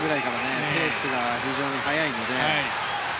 １８点ぐらいからペースが非常に速いので。